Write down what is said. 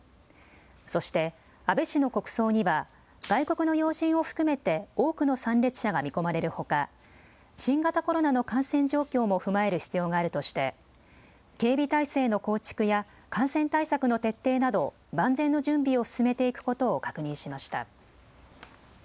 そして安倍氏の国葬には外国の要人を含めて多くの参列者が見込まれるほか、新型コロナの感染状況も踏まえる必要があるとして警備態勢の構築や感染対策の徹底など万全の準備を進めていくことを確認しました。